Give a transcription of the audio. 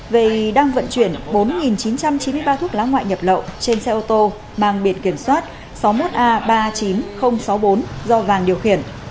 về đang vận chuyển bốn chín trăm chín mươi ba thuốc lá ngoại nhập lậu trên xe ô tô mang biển kiểm soát sáu mươi một a ba mươi chín nghìn sáu mươi bốn do vàng điều khiển